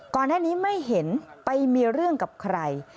ก่อนหน้านี้ไม่เห็นไปมีเรื่องกับใคร